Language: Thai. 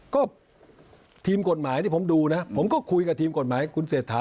ก็ทีมกฎหมายที่ผมดูนะผมก็คุยกับทีมกฎหมายคุณเศรษฐา